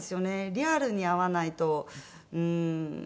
リアルに会わないとうーん。